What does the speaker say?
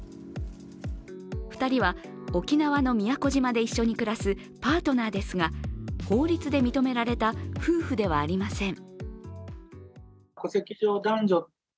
２人は沖縄の宮古島で一緒に暮らすパートナーですが法律で認められた夫夫ではありません。